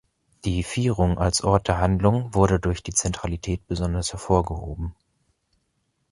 Die Vierung als Ort der Handlung wurde durch die Zentralität besonders hervorgehoben.